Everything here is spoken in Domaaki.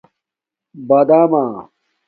بادامہ